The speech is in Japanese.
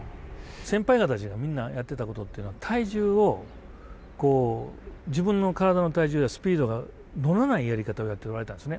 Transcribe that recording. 先輩たちがみんなやってたことっていうのは体重をこう自分の体の体重やスピードが乗らないやり方をやっておられたんですね。